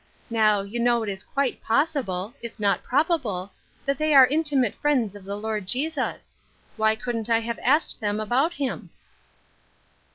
Now, you know it is quite possible — if not probable — that they are intimate friends of the Lord Jesus. Why couldn't I have asked them about him?"